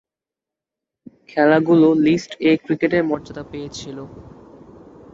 খেলাগুলো list A ক্রিকেটের মর্যাদা পেয়েছিল।